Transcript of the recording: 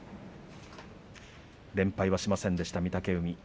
連敗はしませんでした御嶽海。